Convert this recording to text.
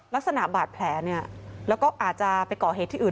ลักษณะบาดแผลเนี่ยแล้วก็อาจจะไปก่อเหตุที่อื่น